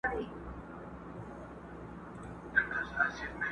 كوم لاسونه به مرۍ د قاتل نيسي!!